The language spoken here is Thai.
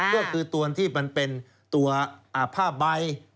ก็คือมันเป็นตัวผ้าใบ